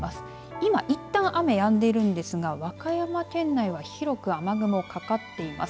今、いったん雨がやんでいるんですが和歌山県内は広く、雨雲かかっています。